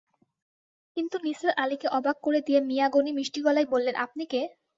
কিন্তু নিসার আলিকে অবাক করে দিয়ে মিয়া গনি মিষ্টি গলায় বললেন, আপনি কে?